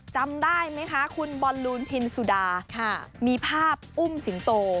จำได้ไหมคะคุณบอลลูนพินสุดามีภาพอุ้มสิงโต